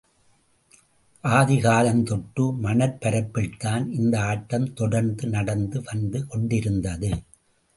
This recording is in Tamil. ஆதிகாலந் தொட்டு, மணற் பரப்பில்தான் இந்த ஆட்டம் தொடர்ந்து நடந்து வந்து கொண்டிருந்தது.